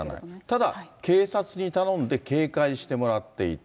ただ、警察に頼んで警戒してもらっていた。